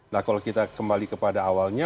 nah kalau kita kembali kepada awalnya